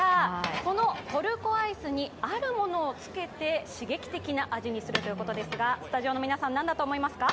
このトルコアイスにあるものをつけて刺激的な味にするということですが、何だと思いますか？